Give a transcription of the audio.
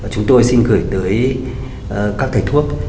chúng tôi xin gửi tới các thầy thuốc